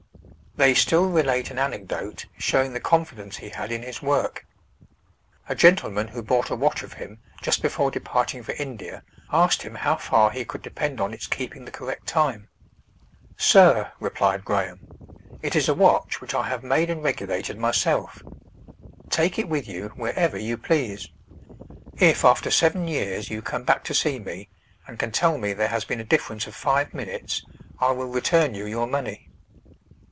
They still relate an anecdote showing the confidence he had in his work. A gentleman who bought a watch of him just before departing for India, asked him how far he could depend on its keeping the correct time. "Sir," replied Graham, "it is a watch which I have made and regulated myself; take it with you wherever you please. If after seven years you come back to see me, and can tell me there has been a difference of five minutes, I will return you your money."